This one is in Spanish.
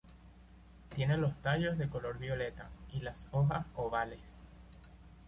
Tiene los tallos de color violeta y las hojas ovales.